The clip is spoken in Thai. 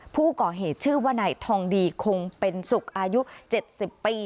ผู้ก่อเหตุชื่อว่าไหนทองดีคงเป็นศุกร์อายุเจ็ดสิบปี